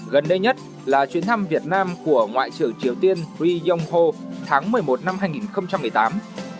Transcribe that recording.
gần đây nhất là chuyến thăm việt nam của ngoại trưởng triều tiên ri yong ho tháng một mươi một năm hai nghìn một mươi tám